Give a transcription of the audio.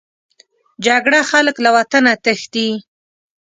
جګړه خلک له وطنه تښتي